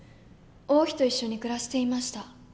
王妃と一緒に暮らしていました。